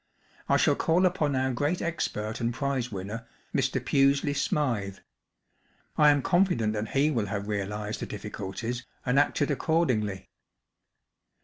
I shall call upon our great expert and prize winner, Mr. Pusely Smythe. I am confident that he wilt have realized the difficulties and acted accordingly."